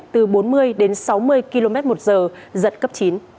từ bốn mươi đến sáu mươi km một giờ giật cấp chín